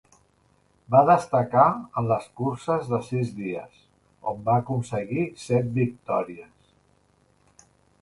Va destacar en les curses de sis dies on va aconseguir set victòries.